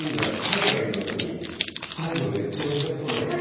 海外の人に伝えるのめっちゃ難しそうだけどな。